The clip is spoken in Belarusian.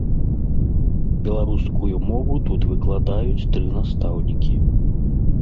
Беларускую мову тут выкладаюць тры настаўнікі.